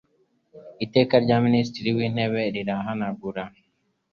Iteka rya Minisitiri w Intebe rihanagura